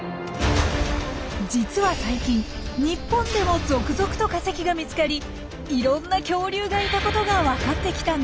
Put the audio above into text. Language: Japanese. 実は最近日本でも続々と化石が見つかりいろんな恐竜がいたことが分かってきたんです。